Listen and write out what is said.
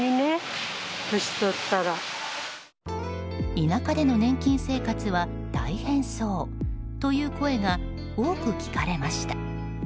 田舎での年金生活は大変そうという声が多く聞かれました。